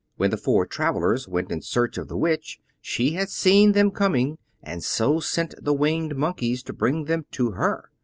When the four travelers went in search of the Witch she had seen them coming, and so sent the Winged Monkeys to bring them to her.